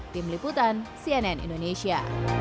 tim liputan cnn indonesia